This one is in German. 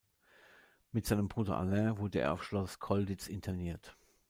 Mit seinem Bruder Alain wurde er auf Schloss Colditz interniert.